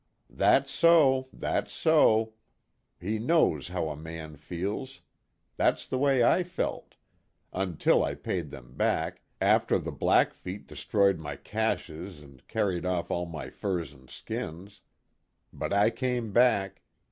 " That's so, that's so ! He knows how a man feels ! That's the way I felt. Until I paid them back, after the Blackfeet destroyed my caches and carried off all my furs and skins. But I came back.